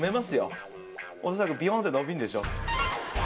恐らくビヨーンって伸びるんでしょ？